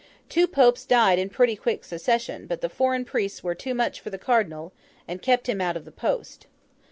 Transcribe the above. Two Popes died in pretty quick succession; but the foreign priests were too much for the Cardinal, and kept him out of the post.